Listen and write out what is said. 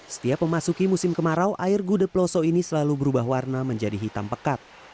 setiap memasuki musim kemarau air gude pelosok ini selalu berubah warna menjadi hitam pekat